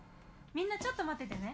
みんなちょっと待っててね。